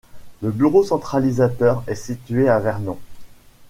Le bureau centralisateur est situé à Vernon.